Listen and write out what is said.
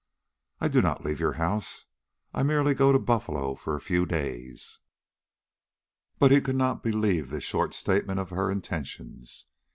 I do not leave your house; I merely go to Buffalo for a few days." But he could not believe this short statement of her intentions.